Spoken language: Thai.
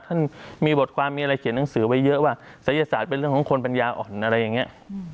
ท่านมีบทความมีอะไรเขียนหนังสือไว้เยอะว่าศัยศาสตร์เป็นเรื่องของคนปัญญาอ่อนอะไรอย่างนี้